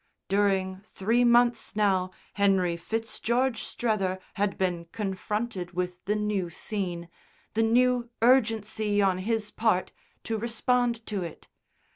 During three months now Henry Fitzgeorge Strether had been confronted with the new scene, the new urgency on his part to respond to it.